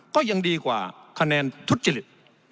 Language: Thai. ก็ยังดีกว่าคะแนนทุจริต